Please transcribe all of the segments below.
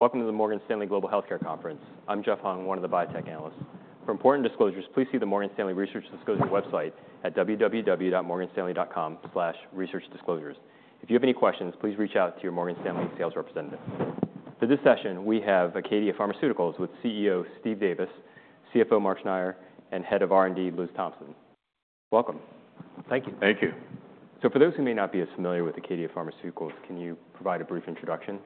Welcome to the Morgan Stanley Global Healthcare Conference. I'm Jeff Hung, one of the biotech analysts. For important disclosures, please see the Morgan Stanley Research Disclosure website at www.morganstanley.com/researchdisclosures. If you have any questions, please reach out to your Morgan Stanley sales representative. For this session, we have Acadia Pharmaceuticals with CEO, Steve Davis, CFO, Mark Schneyer, and Head of R&D, Liz Thompson. Welcome. Thank you. Thank you. So for those who may not be as familiar with Acadia Pharmaceuticals, can you provide a brief introduction?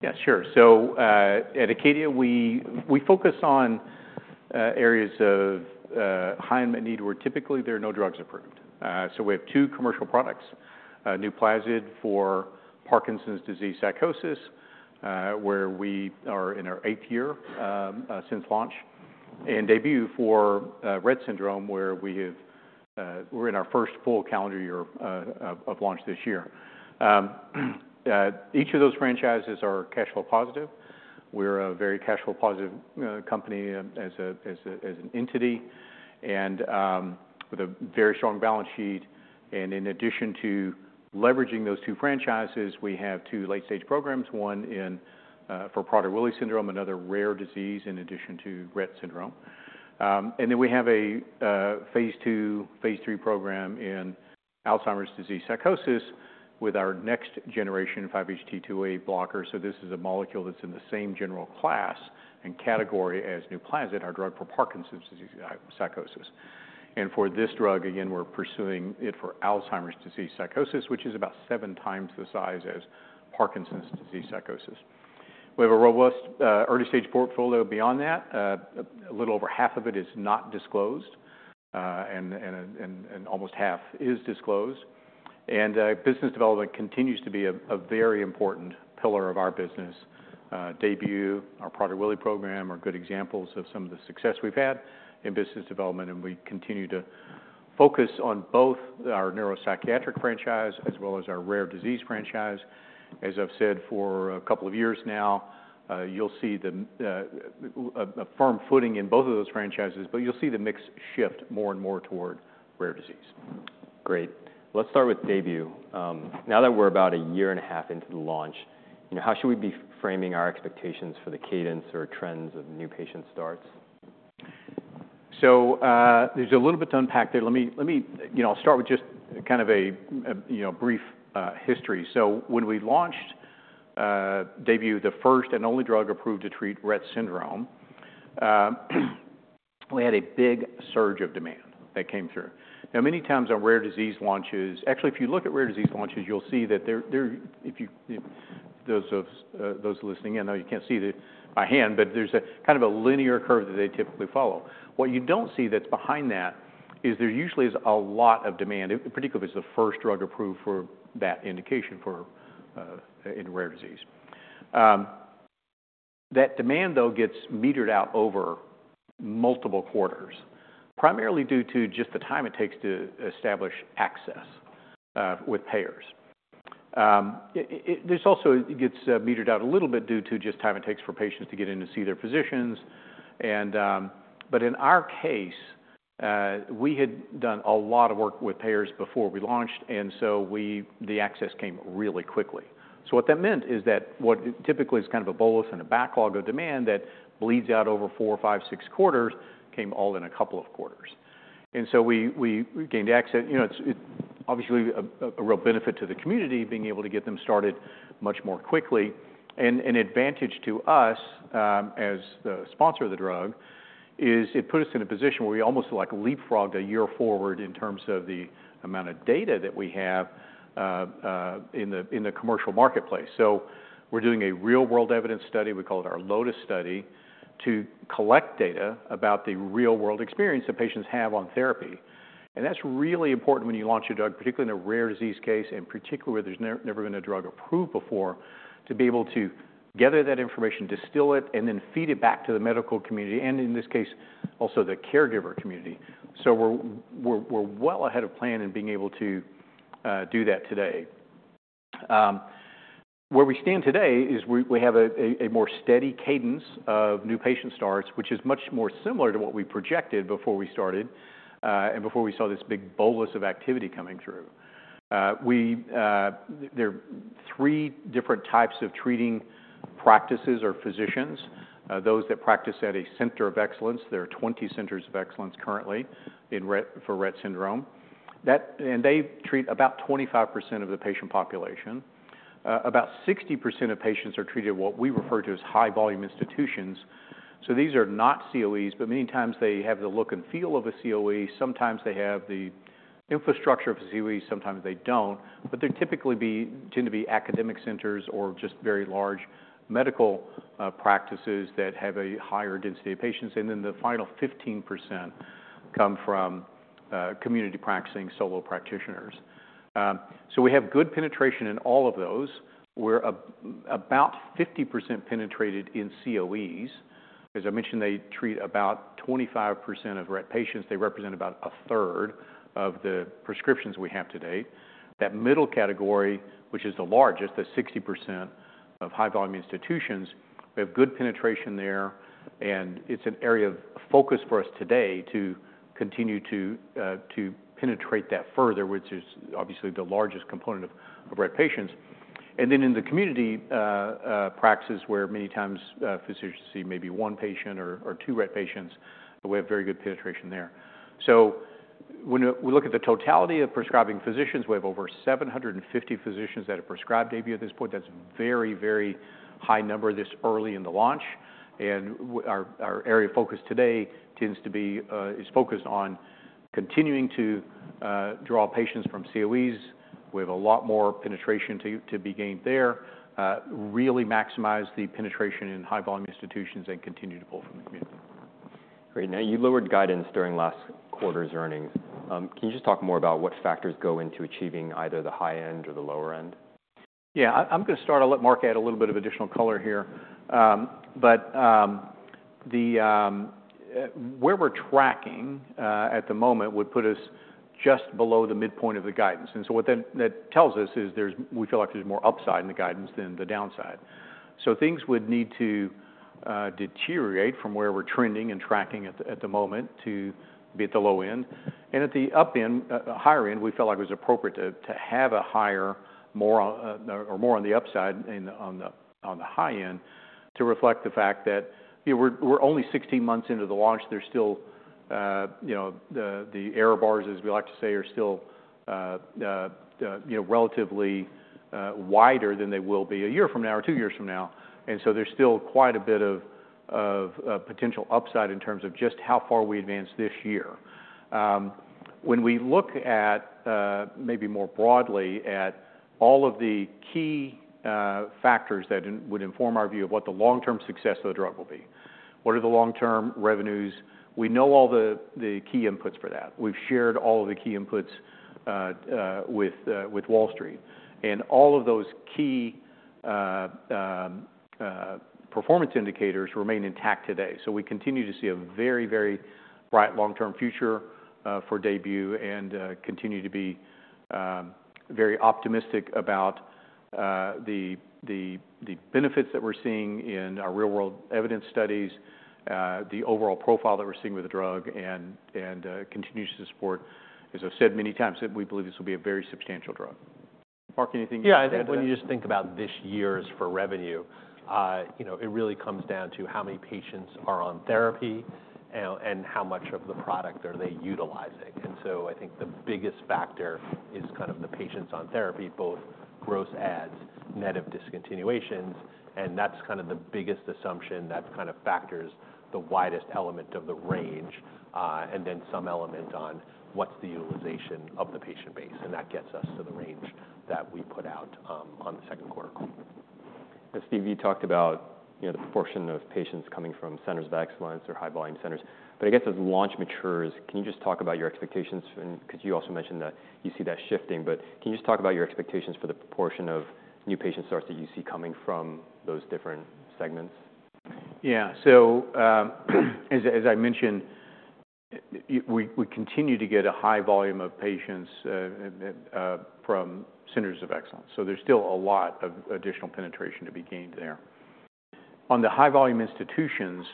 Yeah, sure. So, at Acadia, we focus on areas of high unmet need, where typically there are no drugs approved. So we have two commercial products, Nuplazid for Parkinson's disease psychosis, where we are in our eighth year since launch, and Daybue for Rett syndrome, where we're in our first full calendar year of launch this year. Each of those franchises are cash flow positive. We're a very cash flow positive company as an entity and with a very strong balance sheet. And in addition to leveraging those two franchises, we have two late-stage programs, one for Prader-Willi syndrome, another rare disease in addition to Rett syndrome. And then we have a Phase II, Phase III program in Alzheimer's disease psychosis with our next generation 5-HT2A blocker. So this is a molecule that's in the same general class and category as Nuplazid, our drug for Parkinson's disease psychosis. And for this drug, again, we're pursuing it for Alzheimer's disease psychosis, which is about seven times the size as Parkinson's disease psychosis. We have a robust early-stage portfolio beyond that. A little over half of it is not disclosed, and almost half is disclosed. Business development continues to be a very important pillar of our business. Daybue, our Prader-Willi program, are good examples of some of the success we've had in business development, and we continue to focus on both our neuropsychiatric franchise as well as our rare disease franchise. As I've said for a couple of years now, you'll see a firm footing in both of those franchises, but you'll see the mix shift more and more toward rare disease. Great. Let's start with Daybue. Now that we're about a year and a half into the launch, you know, how should we be framing our expectations for the cadence or trends of new patient starts? So, there's a little bit to unpack there. Let me. You know, I'll start with just kind of a you know, brief history. So when we launched Daybue, the first and only drug approved to treat Rett syndrome, we had a big surge of demand that came through. Now, many times on rare disease launches. Actually, if you look at rare disease launches, you'll see that there. If you, those of those listening in, I know you can't see my hand, but there's a kind of a linear curve that they typically follow. What you don't see that's behind that is there usually is a lot of demand, particularly if it's the first drug approved for that indication for in rare disease. That demand, though, gets metered out over multiple quarters, primarily due to just the time it takes to establish access with payers. There's also it gets metered out a little bit due to just time it takes for patients to get in to see their physicians. And but in our case, we had done a lot of work with payers before we launched, and so the access came really quickly. So what that meant is that what typically is kind of a bolus and a backlog of demand that bleeds out over four, five, six quarters, came all in a couple of quarters. And so we gained access. You know, it's obviously a real benefit to the community, being able to get them started much more quickly. And an advantage to us as the sponsor of the drug is it put us in a position where we almost, like, leapfrogged a year forward in terms of the amount of data that we have in the commercial marketplace. So we're doing a real-world evidence study, we call it our LOTUS study, to collect data about the real-world experience that patients have on therapy. And that's really important when you launch a drug, particularly in a rare disease case, and particularly where there's never been a drug approved before, to be able to gather that information, distill it, and then feed it back to the medical community, and in this case, also the caregiver community. So we're well ahead of plan in being able to do that today. Where we stand today is we have a more steady cadence of new patient starts, which is much more similar to what we projected before we started, and before we saw this big bolus of activity coming through. There are three different types of treating practices or physicians. Those that practice at a Center of Excellence. There are 20 Centers of Excellence currently for Rett syndrome, and they treat about 25% of the patient population. About 60% of patients are treated at what we refer to as high-volume institutions. These are not COEs, but many times they have the look and feel of a COE. Sometimes they have the infrastructure of a COE, sometimes they don't. But they'd typically tend to be academic centers or just very large medical practices that have a higher density of patients. And then the final 15% come from community practicing solo practitioners. So we have good penetration in all of those. We're about 50% penetrated in COEs. As I mentioned, they treat about 25% of Rett patients. They represent about a third of the prescriptions we have today. That middle category, which is the largest, the 60% of high-volume institutions, we have good penetration there, and it's an area of focus for us today to continue to penetrate that further, which is obviously the largest component of Rett patients. And then in the community practices where many times physicians see maybe one patient or two Rett patients, we have very good penetration there. So when we look at the totality of prescribing physicians, we have over seven hundred and fifty physicians that have prescribed Daybue at this point. That's a very, very high number this early in the launch, and our area of focus today tends to be is focused on continuing to draw patients from COEs. We have a lot more penetration to be gained there, really maximize the penetration in high-volume institutions and continue to pull from the community. Great. Now, you lowered guidance during last quarter's earnings. Can you just talk more about what factors go into achieving either the high end or the lower end? Yeah. I'm gonna start. I'll let Mark add a little bit of additional color here, but where we're tracking at the moment would put us just below the midpoint of the guidance, and so what that tells us is we feel like there's more upside in the guidance than the downside, so things would need to deteriorate from where we're trending and tracking at the moment to be at the low end, and at the up end, higher end, we felt like it was appropriate to have a higher, more on the upside and on the high end, to reflect the fact that, you know, we're only sixteen months into the launch. There's still, you know, the error bars, as we like to say, are still, you know, relatively wider than they will be a year from now or two years from now, and so there's still quite a bit of potential upside in terms of just how far we advance this year. When we look at, maybe more broadly at all of the key factors that would inform our view of what the long-term success of the drug will be, what are the long-term revenues? We know all the key inputs for that. We've shared all of the key inputs with Wall Street, and all of those key performance indicators remain intact today. So we continue to see a very, very bright long-term future for Daybue and continue to be very optimistic about the benefits that we're seeing in our real-world evidence studies, the overall profile that we're seeing with the drug and continues to support. As I've said many times, that we believe this will be a very substantial drug. Mark, anything? Yeah, I think when you just think about this year's revenue, you know, it really comes down to how many patients are on therapy and how much of the product are they utilizing. And so I think the biggest factor is kind of the patients on therapy, both gross adds, net of discontinuations, and that's kind of the biggest assumption that kind of factors the widest element of the range, and then some element on what's the utilization of the patient base, and that gets us to the range that we put out, on the second quarter call. Steve, you talked about, you know, the proportion of patients coming from Centers of Excellence or high-volume centers. But I guess as the launch matures, can you just talk about your expectations? And because you also mentioned that you see that shifting, but can you just talk about your expectations for the proportion of new patient starts that you see coming from those different segments? Yeah. So, as I mentioned, we continue to get a high volume of patients from Centers of Excellence, so there's still a lot of additional penetration to be gained there. On the high-volume institutions,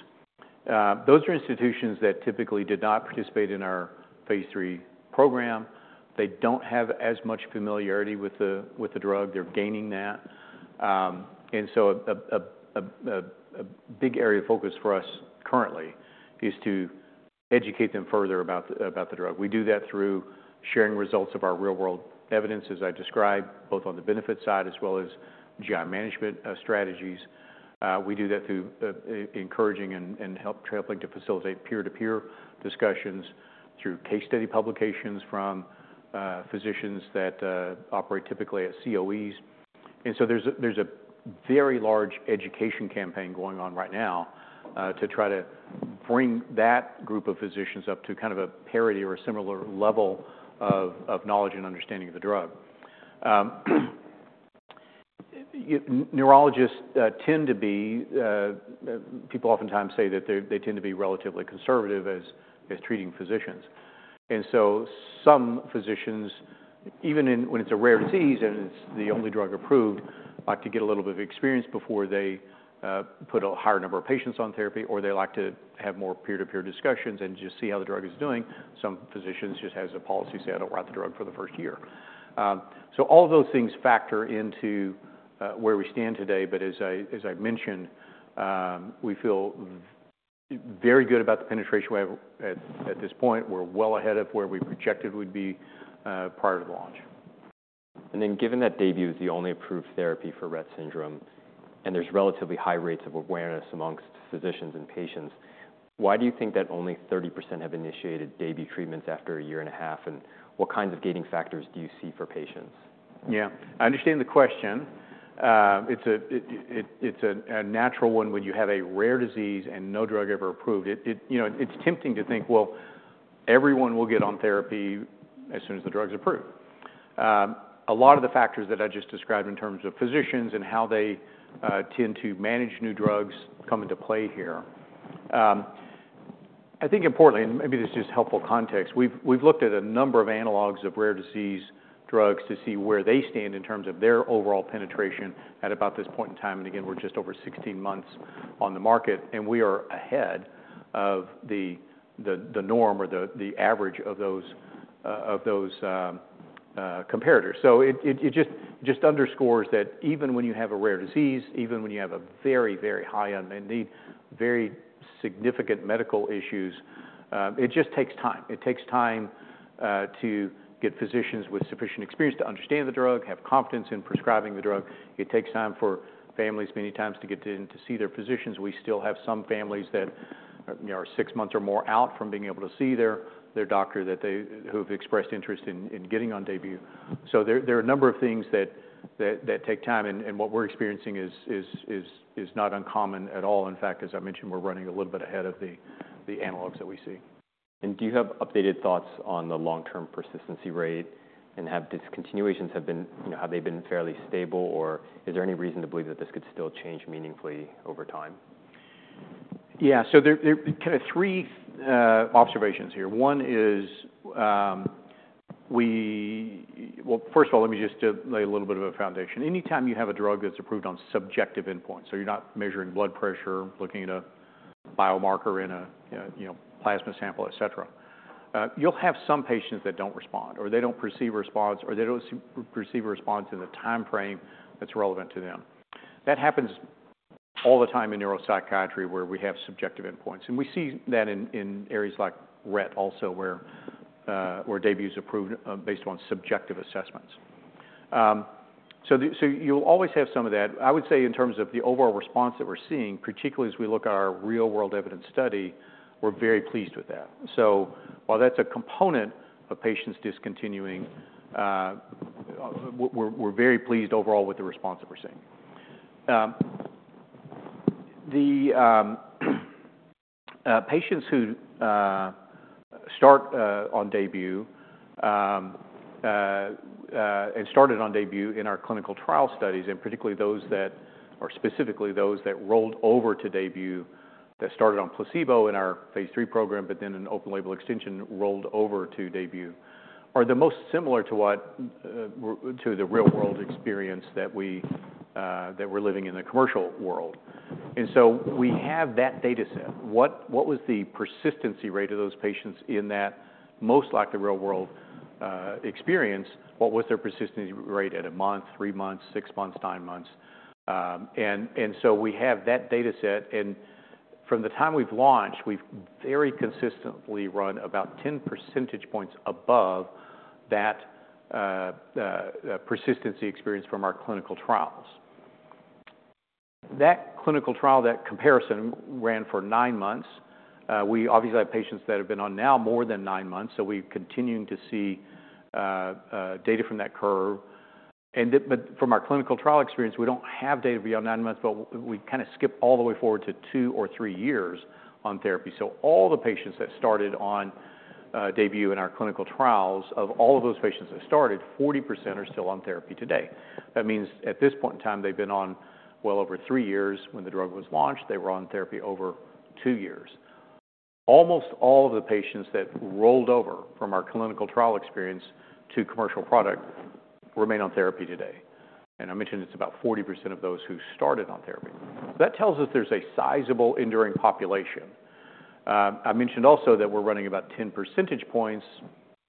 those are institutions that typically did not participate in our Phase III program. They don't have as much familiarity with the drug. They're gaining that. And so a big area of focus for us currently is to educate them further about the drug. We do that through sharing results of our real-world evidence, as I described, both on the benefit side as well as GI management strategies. We do that through encouraging and helping traveling to facilitate peer-to-peer discussions through case study publications from physicians that operate typically at COEs. There's a very large education campaign going on right now to try to bring that group of physicians up to kind of a parity or a similar level of knowledge and understanding of the drug. Neurologists tend to be people oftentimes say that they tend to be relatively conservative as treating physicians. Some physicians, even when it's a rare disease and it's the only drug approved, like to get a little bit of experience before they put a higher number of patients on therapy, or they like to have more peer-to-peer discussions and just see how the drug is doing. Some physicians just, as a policy, say, "I don't write the drug for the first year." So all of those things factor into where we stand today, but as I, as I've mentioned, we feel very good about the penetration we have at this point. We're well ahead of where we projected we'd be prior to launch. Then, given that Daybue is the only approved therapy for Rett syndrome, and there's relatively high rates of awareness among physicians and patients, why do you think that only 30% have initiated Daybue treatments after a year and a half? And what kinds of gating factors do you see for patients? Yeah, I understand the question. It's a natural one when you have a rare disease and no drug ever approved. You know, it's tempting to think, well, everyone will get on therapy as soon as the drug's approved. A lot of the factors that I just described in terms of physicians and how they tend to manage new drugs come into play here. I think importantly, and maybe this is just helpful context, we've looked at a number of analogues of rare disease drugs to see where they stand in terms of their overall penetration at about this point in time, and again, we're just over sixteen months on the market, and we are ahead of the norm or the average of those comparators. So it just underscores that even when you have a rare disease, even when you have a very, very high unmet need, very significant medical issues, it just takes time. It takes time to get physicians with sufficient experience to understand the drug, have confidence in prescribing the drug. It takes time for families, many times, to get in to see their physicians. We still have some families that, you know, are six months or more out from being able to see their doctor, that they've expressed interest in getting on Daybue. So there are a number of things that take time, and what we're experiencing is not uncommon at all. In fact, as I mentioned, we're running a little bit ahead of the analogs that we see. Do you have updated thoughts on the long-term persistency rate? Have discontinuations been... You know, have they been fairly stable, or is there any reason to believe that this could still change meaningfully over time? Yeah, so there kind of three observations here. One is. Well, first of all, let me just lay a little bit of a foundation. Anytime you have a drug that's approved on subjective endpoints, so you're not measuring blood pressure, looking at a biomarker in a you know plasma sample, et cetera, you'll have some patients that don't respond, or they don't perceive a response, or they don't perceive a response in the timeframe that's relevant to them. That happens all the time in neuropsychiatry, where we have subjective endpoints, and we see that in areas like Rett also, where Daybue is approved based on subjective assessments. So you'll always have some of that. I would say in terms of the overall response that we're seeing, particularly as we look at our real-world evidence study, we're very pleased with that. So while that's a component of patients discontinuing, we're very pleased overall with the response that we're seeing. The patients who start on Daybue and started on Daybue in our clinical trial studies, and particularly those that are specifically those that rolled over to Daybue, that started on placebo in our Phase III program, but then an open-label extension rolled over to Daybue, are the most similar to what to the real-world experience that we're living in the commercial world. And so we have that data set. What was the persistency rate of those patients in that most like the real-world experience? What was their persistence rate at a month, three months, six months, nine months? So we have that data set, and from the time we've launched, we've very consistently run about 10 percentage points above that persistence experience from our clinical trials. That clinical trial, that comparison ran for nine months. We obviously have patients that have been on now more than nine months, so we're continuing to see data from that curve. But from our clinical trial experience, we don't have data beyond nine months, but we kinda skip all the way forward to two or three years on therapy. So all the patients that started on Daybue in our clinical trials, of all of those patients that started, 40% are still on therapy today. That means at this point in time, they've been on well over three years. When the drug was launched, they were on therapy over two years. Almost all of the patients that rolled over from our clinical trial experience to commercial product remain on therapy today, and I mentioned it's about 40% of those who started on therapy. That tells us there's a sizable enduring population. I mentioned also that we're running about 10 percentage points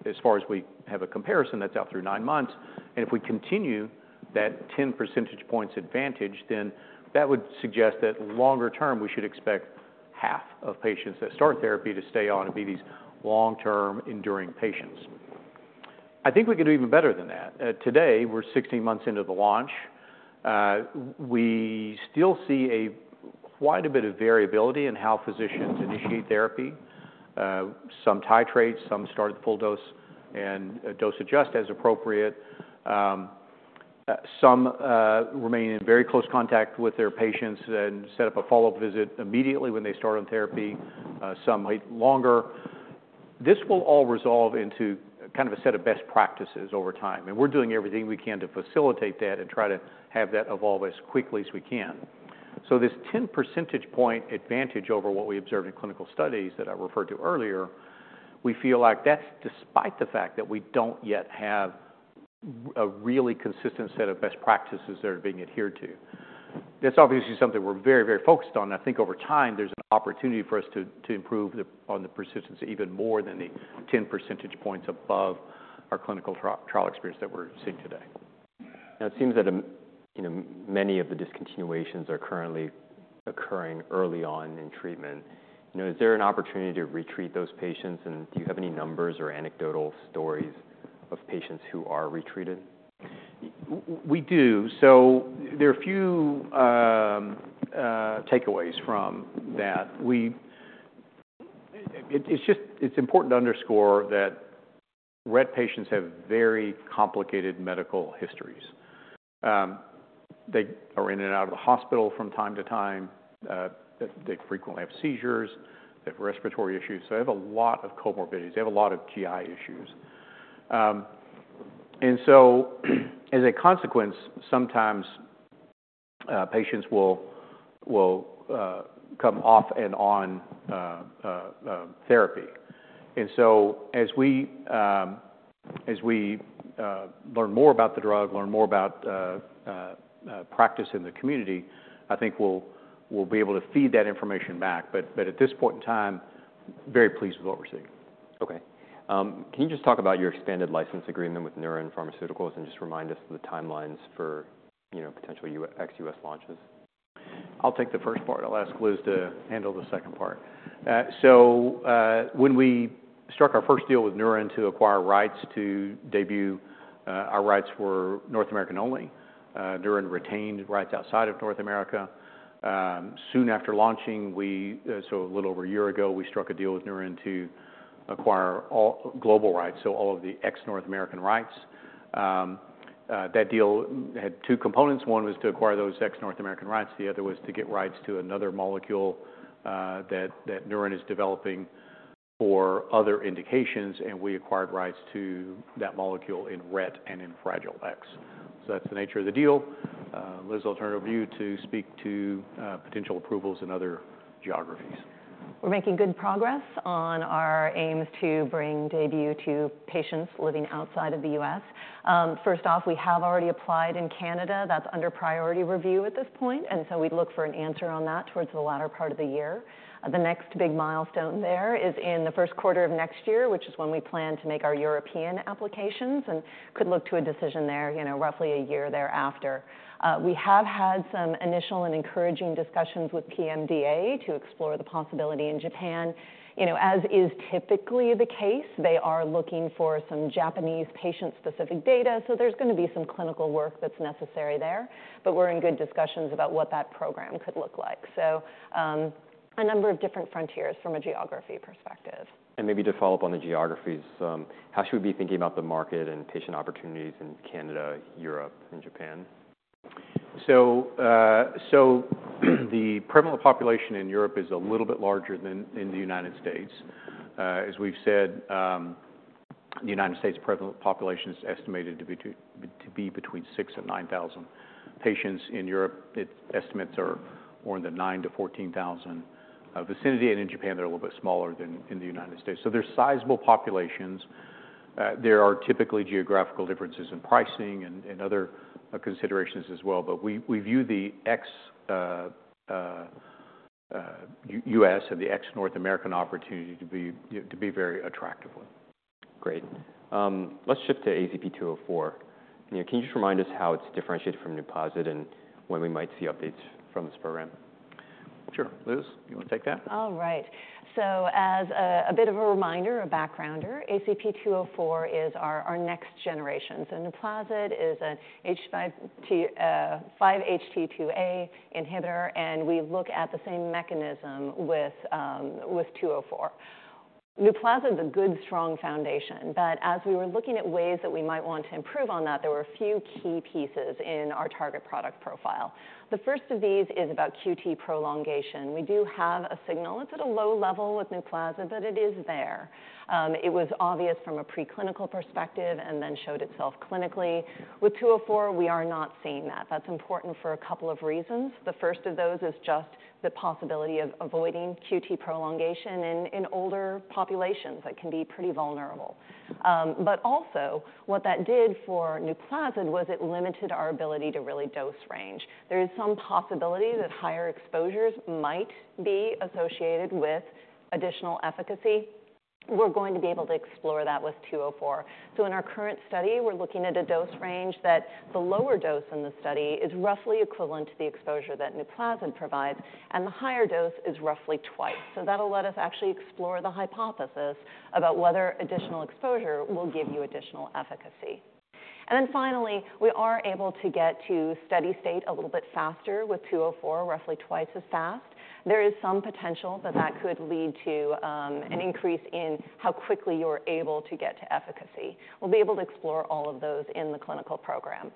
as far as we have a comparison, that's out through nine months, and if we continue that 10 percentage points advantage, then that would suggest that longer term, we should expect half of patients that start therapy to stay on and be these long-term enduring patients. I think we can do even better than that. Today, we're 16 months into the launch. We still see quite a bit of variability in how physicians initiate therapy. Some titrate, some start at the full dose and dose adjust as appropriate. Some remain in very close contact with their patients and set up a follow-up visit immediately when they start on therapy, some wait longer. This will all resolve into kind of a set of best practices over time, and we're doing everything we can to facilitate that and try to have that evolve as quickly as we can. So this 10 percentage point advantage over what we observed in clinical studies that I referred to earlier, we feel like that's despite the fact that we don't yet have a really consistent set of best practices that are being adhered to. That's obviously something we're very, very focused on. I think over time, there's an opportunity for us to improve on the persistence even more than the 10 percentage points above our clinical trial experience that we're seeing today. Now, it seems that, you know, many of the discontinuations are currently occurring early on in treatment. You know, is there an opportunity to retreat those patients, and do you have any numbers or anecdotal stories of patients who are retreated? We do. So there are a few takeaways from that. It is just important to underscore that Rett patients have very complicated medical histories. They are in and out of the hospital from time to time. They frequently have seizures. They have respiratory issues. They have a lot of comorbidities. They have a lot of GI issues. And so, as a consequence, sometimes patients will come off and on therapy. And so as we learn more about the drug, learn more about practice in the community, I think we'll be able to feed that information back. But at this point in time, very pleased with what we're seeing. Okay. Can you just talk about your expanded license agreement with Neuren Pharmaceuticals, and just remind us of the timelines for, you know, potential ex-U.S. launches? I'll take the first part. I'll ask Liz to handle the second part. So, when we struck our first deal with Neuren to acquire rights to Daybue, our rights were North American only. Neuren retained rights outside of North America. Soon after launching, so a little over a year ago, we struck a deal with Neuren to acquire all global rights, so all of the ex-North American rights. That deal had two components. One was to acquire those ex-North American rights, the other was to get rights to another molecule, that Neuren is developing for other indications, and we acquired rights to that molecule in Rett and in Fragile X. So that's the nature of the deal. Liz, I'll turn it over to you to speak to potential approvals in other geographies. We're making good progress on our aims to bring Daybue to patients living outside of the US. First off, we have already applied in Canada. That's under priority review at this point, and so we'd look for an answer on that towards the latter part of the year. The next big milestone there is in the first quarter of next year, which is when we plan to make our European applications and could look to a decision there, you know, roughly a year thereafter. We have had some initial and encouraging discussions with PMDA to explore the possibility in Japan. You know, as is typically the case, they are looking for some Japanese patient-specific data, so there's gonna be some clinical work that's necessary there, but we're in good discussions about what that program could look like. So, a number of different frontiers from a geography perspective. Maybe to follow up on the geographies, how should we be thinking about the market and patient opportunities in Canada, Europe, and Japan? The prevalent population in Europe is a little bit larger than in the United States. As we've said, the United States prevalent population is estimated to be between six and nine thousand patients. In Europe, the estimates are more in the nine to 14 thousand vicinity, and in Japan, they're a little bit smaller than in the United States. They're sizable populations. There are typically geographical differences in pricing and other considerations as well, but we view the ex-U.S. and the ex-North American opportunity to be a very attractive one. Great. Let's shift to ACP-204. You know, can you just remind us how it's differentiated from Nuplazid and when we might see updates from this program? Sure. Liz, you wanna take that? All right. So as a bit of a reminder, a backgrounder, ACP-204 is our next generation. So Nuplazid is a 5-HT2A inhibitor, and we look at the same mechanism with 204. Nuplazid is a good, strong foundation, but as we were looking at ways that we might want to improve on that, there were a few key pieces in our target product profile. The first of these is about QT prolongation. We do have a signal. It's at a low level with Nuplazid, but it is there. It was obvious from a preclinical perspective and then showed itself clinically. With 204, we are not seeing that. That's important for a couple of reasons. The first of those is just the possibility of avoiding QT prolongation in older populations that can be pretty vulnerable. But also, what that did for Nuplazid was it limited our ability to really dose range. There is some possibility that higher exposures might be associated with additional efficacy. We're going to be able to explore that with 204, so in our current study, we're looking at a dose range that the lower dose in the study is roughly equivalent to the exposure that Nuplazid provides, and the higher dose is roughly twice, so that'll let us actually explore the hypothesis about whether additional exposure will give you additional efficacy, and then finally, we are able to get to steady state a little bit faster with 204, roughly twice as fast. There is some potential that that could lead to an increase in how quickly you're able to get to efficacy. We'll be able to explore all of those in the clinical program.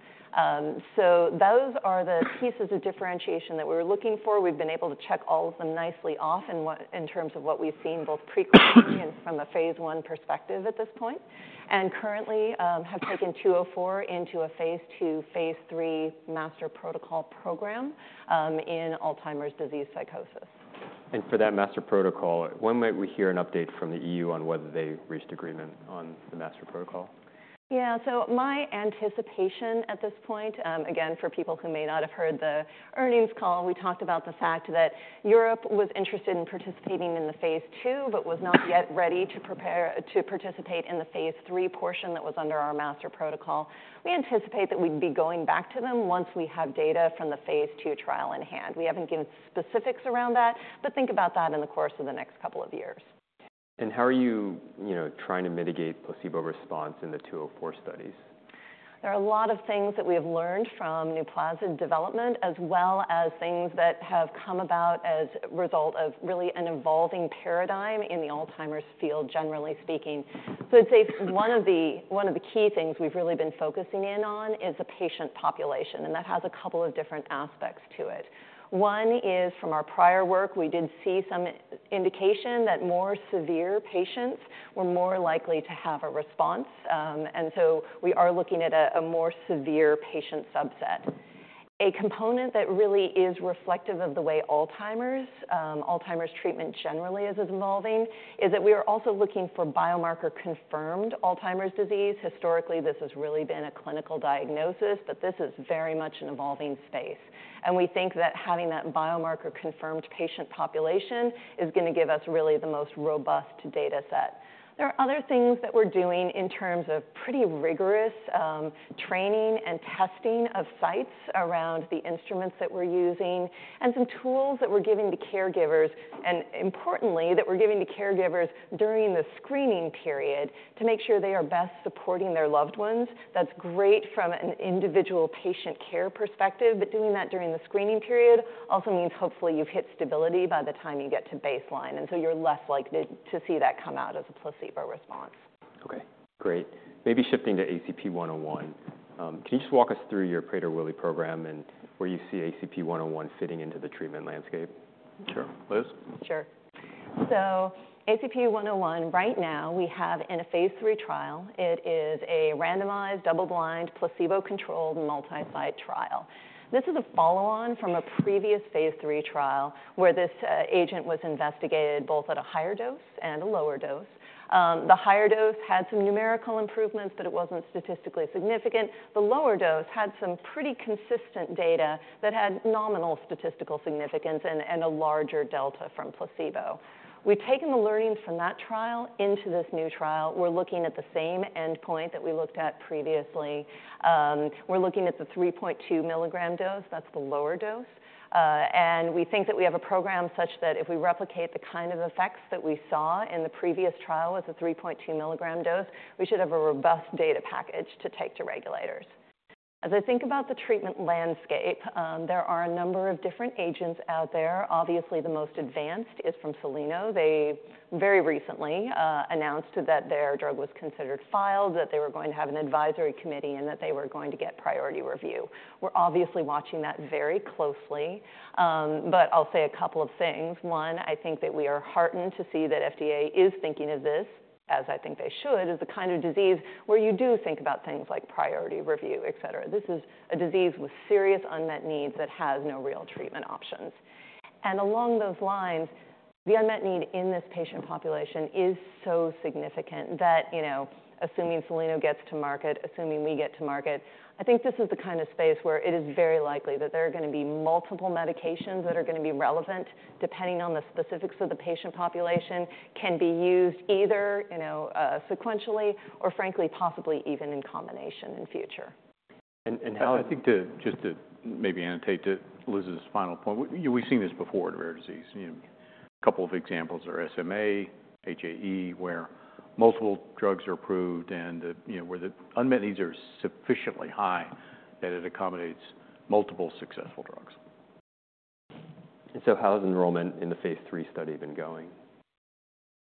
So those are the pieces of differentiation that we were looking for. We've been able to check all of them nicely off in terms of what we've seen, both preclinically and from a Phase I perspective at this point, and currently, have taken Phase III master protocol program, in Alzheimer's disease psychosis. For that master protocol, when might we hear an update from the EU on whether they've reached agreement on the master protocol? Yeah. So my anticipation at this point, again, for people who may not have heard the earnings call, we talked about the fact that Europe was interested in participating in Phase II, but was not yet Phase III portion that was under our master protocol. We anticipate that we'd be going back to them once we have data from Phase II trial in hand. We haven't given specifics around that, but think about that in the course of the next couple of years. How are you, you know, trying to mitigate placebo response in the 204 studies? There are a lot of things that we have learned from Nuplazid development, as well as things that have come about as a result of really an evolving paradigm in the Alzheimer's field, generally speaking. I'd say one of the key things we've really been focusing in on is the patient population, and that has a couple of different aspects to it. One is, from our prior work, we did see some indication that more severe patients were more likely to have a response. And so we are looking at a more severe patient subset. A component that really is reflective of the way Alzheimer's treatment generally is evolving, is that we are also looking for biomarker-confirmed Alzheimer's disease. Historically, this has really been a clinical diagnosis, but this is very much an evolving space, and we think that having that biomarker-confirmed patient population is going to give us really the most robust data set. There are other things that we're doing in terms of pretty rigorous training and testing of sites around the instruments that we're using and some tools that we're giving to caregivers, and importantly, that we're giving to caregivers during the screening period to make sure they are best supporting their loved ones. That's great from an individual patient care perspective, but doing that during the screening period also means hopefully you've hit stability by the time you get to baseline, and so you're less likely to see that come out as a placebo response. Okay, great. Maybe shifting to ACP-101. Can you just walk us through your Prader-Willi program and where you see ACP-101 fitting into the treatment landscape? Sure. Liz? Sure. So ACP-101, right now, we have in a Phase III trial. it is a randomized, double-blind, placebo-controlled, multi-site trial. This is Phase III trial where this agent was investigated both at a higher dose and a lower dose. The higher dose had some numerical improvements, but it wasn't statistically significant. The lower dose had some pretty consistent data that had nominal statistical significance and a larger delta from placebo. We've taken the learnings from that trial into this new trial. We're looking at the same endpoint that we looked at previously. We're looking at the 3.2-milligram dose, that's the lower dose. and we think that we have a program such that if we replicate the kind of effects that we saw in the previous trial with the three point two milligram dose, we should have a robust data package to take to regulators. As I think about the treatment landscape, there are a number of different agents out there. Obviously, the most advanced is from Soleno. They very recently announced that their drug was considered filed, that they were going to have an advisory committee, and that they were going to get priority review. We're obviously watching that very closely, but I'll say a couple of things. One, I think that we are heartened to see that FDA is thinking of this, as I think they should, as the kind of disease where you do think about things like priority review, et cetera. This is a disease with serious unmet needs that has no real treatment options, and along those lines, the unmet need in this patient population is so significant that, you know, assuming Soleno gets to market, assuming we get to market, I think this is the kind of space where it is very likely that there are going to be multiple medications that are going to be relevant, depending on the specifics of the patient population, can be used either, you know, sequentially or frankly, possibly even in combination in future. And how- I think, too, just to maybe annotate to Liz's final point, we, we've seen this before in a rare disease. You know, a couple of examples are SMA, HAE, where multiple drugs are approved and, you know, where the unmet needs are sufficiently high that it accommodates multiple successful drugs. how has Phase III study been going?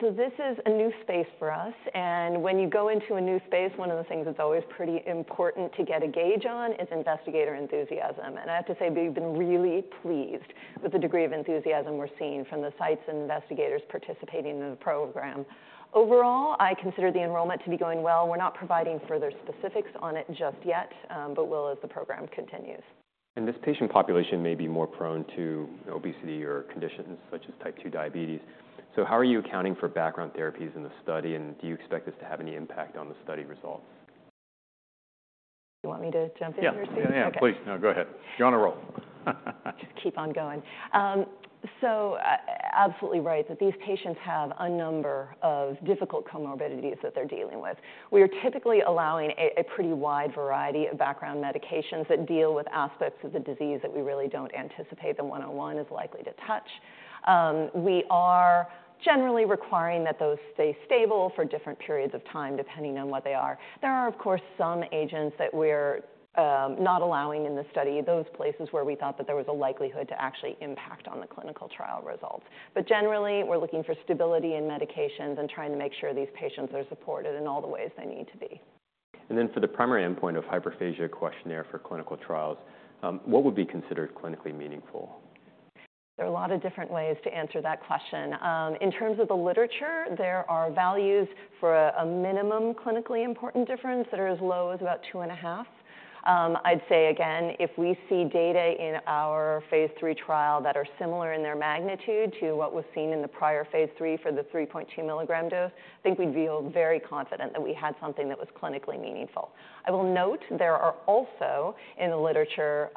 So this is a new space for us, and when you go into a new space, one of the things that's always pretty important to get a gauge on is investigator enthusiasm. And I have to say, we've been really pleased with the degree of enthusiasm we're seeing from the sites and investigators participating in the program. Overall, I consider the enrollment to be going well. We're not providing further specifics on it just yet, but will as the program continues. And this patient population may be more prone to obesity or conditions such as type 2 diabetes. So how are you accounting for background therapies in the study, and do you expect this to have any impact on the study results? You want me to jump in here, Steve? Yeah. Yeah, please. No, go ahead. You're on a roll. Just keep on going. So absolutely right that these patients have a number of difficult comorbidities that they're dealing with. We are typically allowing a pretty wide variety of background medications that deal with aspects of the disease that we really don't anticipate the 101 is likely to touch. We are generally requiring that those stay stable for different periods of time, depending on what they are. There are, of course, some agents that we're not allowing in the study, those places where we thought that there was a likelihood to actually impact on the clinical trial results. But generally, we're looking for stability in medications and trying to make sure these patients are supported in all the ways they need to be. And then for the primary endpoint of Hyperphagia Questionnaire for Clinical Trials, what would be considered clinically meaningful? There are a lot of different ways to answer that question. In terms of the literature, there are values for a minimum clinically important difference that are as low as about two and a half. I'd say again, if we see data in our Phase III trial that are similar in their magnitude to what was seen in the Phase III for the three point two milligram dose, I think we'd feel very confident that we had something that was clinically meaningful. I will note there are also, in the literature,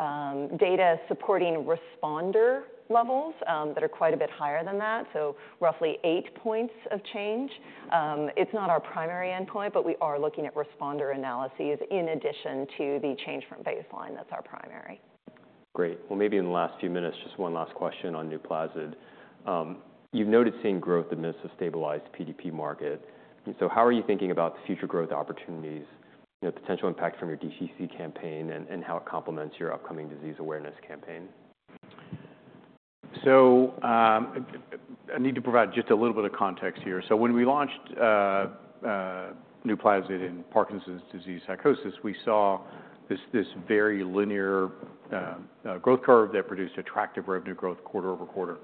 data supporting responder levels that are quite a bit higher than that, so roughly eight points of change. It's not our primary endpoint, but we are looking at responder analyses in addition to the change from baseline. That's our primary. Great. Well, maybe in the last few minutes, just one last question on Nuplazid. You've noted seeing growth in this stabilized PDP market. And so how are you thinking about the future growth opportunities, the potential impact from your DTC campaign, and, and how it complements your upcoming disease awareness campaign? So, I need to provide just a little bit of context here. When we launched Nuplazid in Parkinson's disease psychosis, we saw this very linear growth curve that produced attractive revenue growth quarter over quarter,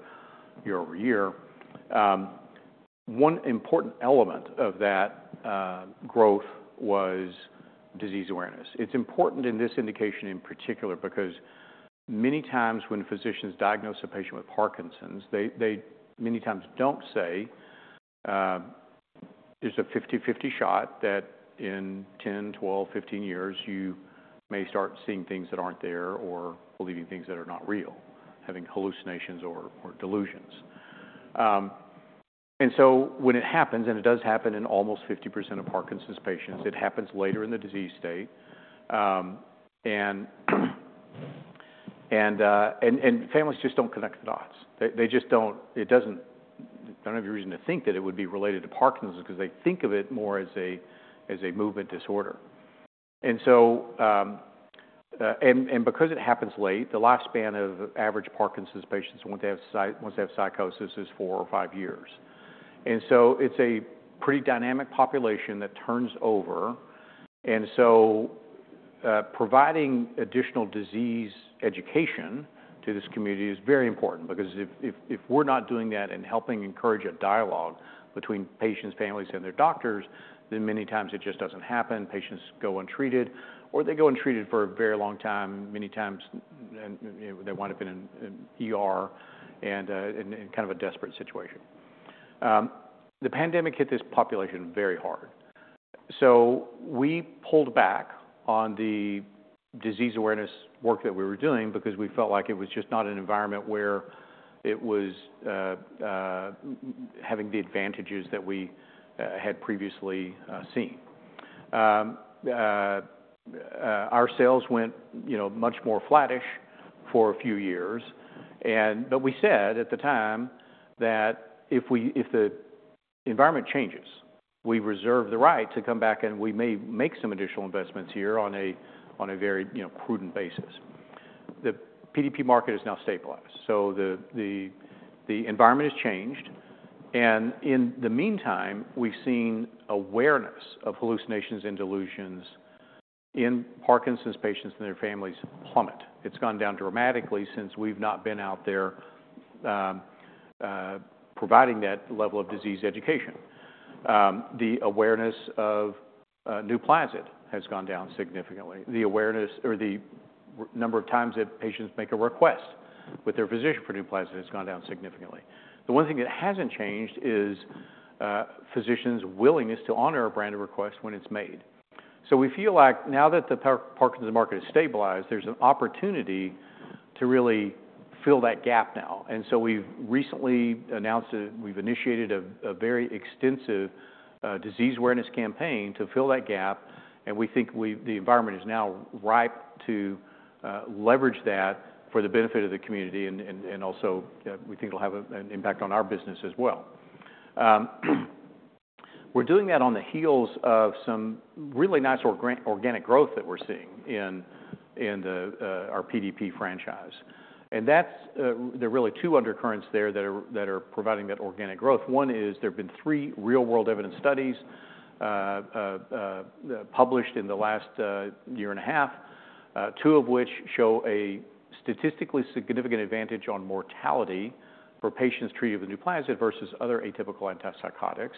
year over year. One important element of that growth was disease awareness. It's important in this indication in particular, because many times when physicians diagnose a patient with Parkinson's, they many times don't say, "There's a fifty/fifty shot that in ten, twelve, fifteen years, you may start seeing things that aren't there or believing things that are not real, having hallucinations or delusions." And so when it happens, and it does happen in almost 50% of Parkinson's patients, it happens later in the disease state. And families just don't connect the dots. They just don't... It doesn't have any reason to think that it would be related to Parkinson's because they think of it more as a movement disorder. And so, because it happens late, the lifespan of average Parkinson's patients once they have psychosis is four or five years. And so, providing additional disease education to this community is very important because if we're not doing that and helping encourage a dialogue between patients, families, and their doctors, then many times it just doesn't happen. Patients go untreated, or they go untreated for a very long time. Many times, then, you know, they wind up in an ER and in kind of a desperate situation. The pandemic hit this population very hard. So we pulled back on the disease awareness work that we were doing because we felt like it was just not an environment where it was having the advantages that we had previously seen. Our sales went, you know, much more flattish for a few years, and but we said at the time that if the environment changes, we reserve the right to come back, and we may make some additional investments here on a very, you know, prudent basis. The PDP market is now stabilized, so the environment has changed, and in the meantime, we've seen awareness of hallucinations and delusions in Parkinson's patients and their families plummet. It's gone down dramatically since we've not been out there providing that level of disease education. The awareness of Nuplazid has gone down significantly. The awareness or the number of times that patients make a request with their physician for Nuplazid has gone down significantly. The one thing that hasn't changed is physicians' willingness to honor a branded request when it's made. So we feel like now that the Parkinson's market is stabilized, there's an opportunity to really fill that gap now. And so we've recently announced we've initiated a very extensive disease awareness campaign to fill that gap, and we think the environment is now ripe to leverage that for the benefit of the community, and also we think it'll have an impact on our business as well. We're doing that on the heels of some really nice organic growth that we're seeing in our PDP franchise. And that's, there are really two undercurrents there that are providing that organic growth. One is there have been three real-world evidence studies published in the last year and a half, two of which show a statistically significant advantage on mortality for patients treated with Nuplazid versus other atypical antipsychotics.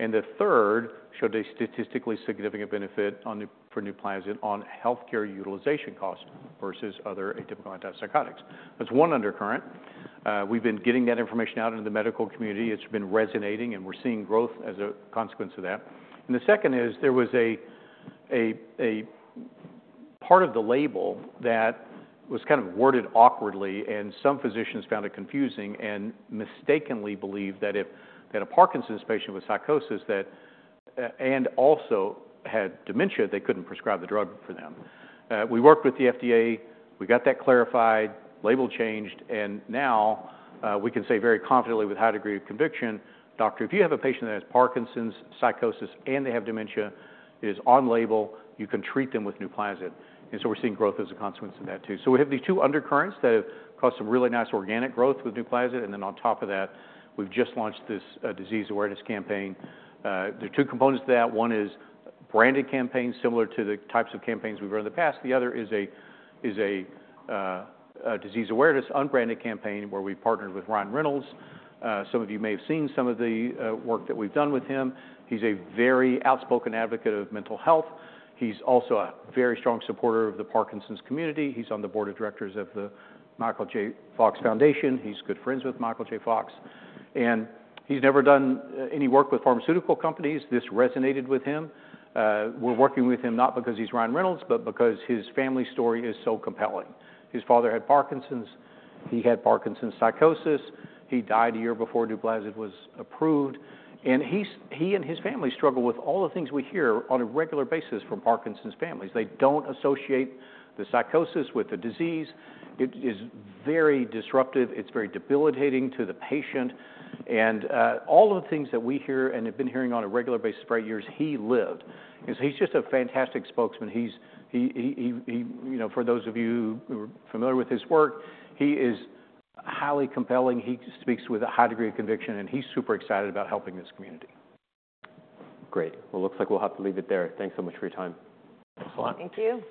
And the third showed a statistically significant benefit on the, for Nuplazid on healthcare utilization costs versus other atypical antipsychotics. That's one undercurrent. We've been getting that information out into the medical community. It's been resonating, and we're seeing growth as a consequence of that. And the second is there was a part of the label that was kind of worded awkwardly, and some physicians found it confusing and mistakenly believed that if they had a Parkinson's patient with psychosis that and also had dementia, they couldn't prescribe the drug for them. We worked with the FDA. We got that clarified, label changed, and now we can say very confidently with a high degree of conviction, "Doctor, if you have a patient that has Parkinson's, psychosis, and they have dementia, it is on label, you can treat them with Nuplazid." And so we're seeing growth as a consequence of that too. So we have these two undercurrents that have caused some really nice organic growth with Nuplazid, and then on top of that, we've just launched this disease awareness campaign. There are two components to that. One is a branded campaign, similar to the types of campaigns we've run in the past. The other is a disease awareness, unbranded campaign, where we partnered with Ryan Reynolds. Some of you may have seen some of the work that we've done with him. He's a very outspoken advocate of mental health. He's also a very strong supporter of the Parkinson's community. He's on the board of directors of the Michael J. Fox Foundation. He's good friends with Michael J. Fox, and he's never done any work with pharmaceutical companies. This resonated with him. We're working with him not because he's Ryan Reynolds, but because his family story is so compelling. His father had Parkinson's. He had Parkinson's psychosis. He died a year before Nuplazid was approved, and he and his family struggle with all the things we hear on a regular basis from Parkinson's families. They don't associate the psychosis with the disease. It is very disruptive. It's very debilitating to the patient. And all of the things that we hear and have been hearing on a regular basis for eight years, he lived. He's just a fantastic spokesman. He's you know, for those of you who are familiar with his work, he is highly compelling. He speaks with a high degree of conviction, and he's super excited about helping this community. Great. Well, looks like we'll have to leave it there. Thanks so much for your time. Thanks a lot. Thank you.